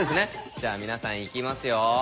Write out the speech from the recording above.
じゃあ皆さんいきますよ。